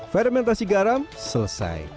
fermentasi garam selesai